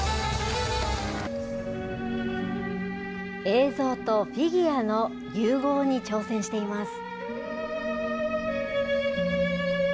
映像とフィギュアの融合に挑戦しています。